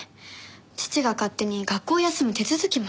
父が勝手に学校を休む手続きもしてしまって。